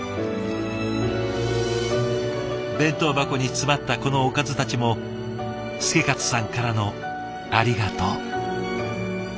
弁当箱に詰まったこのおかずたちも祐勝さんからの「ありがとう」。